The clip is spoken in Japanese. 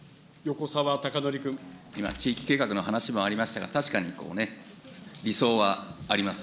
今、地域計画の話もありましたが、確かに理想はあります。